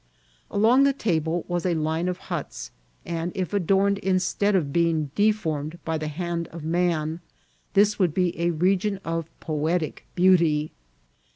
Along the table was a line of huts, and if adorned instead of being deformed by the hand of man, this would be a region of poetic beauty.